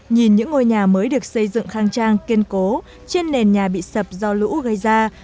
nhìn những ngôi nhà mới được xây dựng khang trang kiên cố trên nền nhà bị sập do lũ gây ra